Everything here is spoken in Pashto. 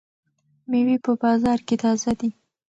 مېوې په بازار کې تازه دي.